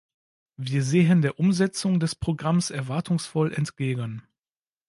Wir sehen der Umsetzung des Programms erwartungsvoll entgegen.